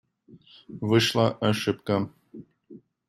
Вышла ошибка.